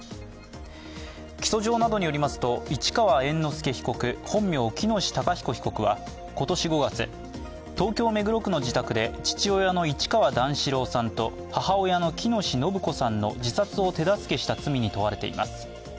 起訴状などによりますと市川猿之助被告、本名・喜熨斗孝彦被告は今年５月、東京・目黒区の自宅で父親の市川段四郎さんと母親の喜熨斗延子さんの自殺を手助けした罪に問われています。